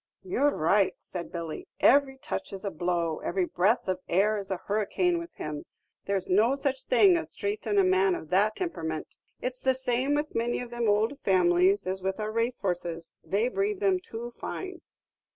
"Yer' right," said Billy; "every touch is a blow, every breath of air is a hurricane with him. There 's no such thing as traitin' a man of that timperament; it's the same with many of them ould families as with our racehorses, they breed them too fine."